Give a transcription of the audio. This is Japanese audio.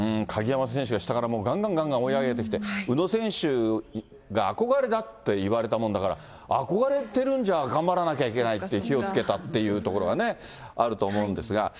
鍵山選手が下からがんがんがんがん追い上げてきて、宇野選手が憧れだって言われたもんだから、憧れてるんじゃあ、頑張らなきゃいけないって火をつけたっていうところがね、あると思うんですが。